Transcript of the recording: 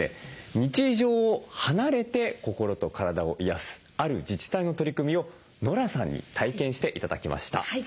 日常を離れて心と体を癒やすある自治体の取り組みをノラさんに体験して頂きました。